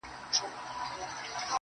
خوار ژاړي هغه خاوري زړه ژوندی غواړي